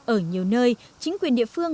ở nhiều nơi chính quyền địa phương